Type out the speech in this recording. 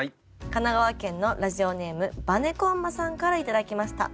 神奈川県のラジオネームばねこんまさんから頂きました。